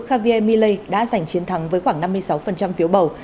javier milley đã giành chiến thắng với khoảng năm mươi sáu phiếu bầu